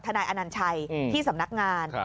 นายอนัญชัยที่สำนักงาน